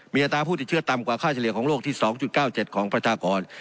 มีอัตราผู้ติดเชื้อตำกว่าค่าเฉลี่ยของโรคที่สองจุดเจ้าเจ็ดของประชากร